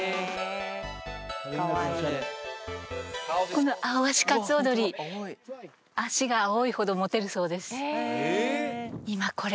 このアオアシカツオドリ足が青いほどモテるそうです